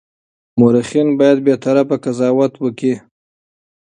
مورخین باید بېطرفه قضاوت وکړي.